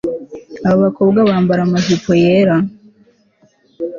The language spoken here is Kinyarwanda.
Abo bakobwa bambara amajipo yera